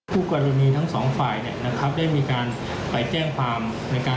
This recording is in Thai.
คู่กรณีทั้งสองฝ่ายก็มีแบบไปแจ้งในการ